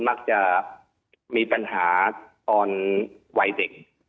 มักจะมีปัญหาตอนวัยเด็ก